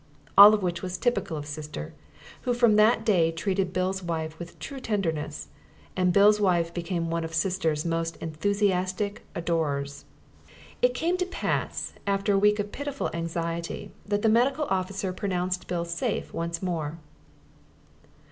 All of which was typical of Sister, who from that day treated Bill's wife with true tenderness; and Bill's wife became one of Sister's most enthusiastic adorers. It came to pass, after a week of pitiful anxiety, that the Medical Officer pronounced Bill safe once more.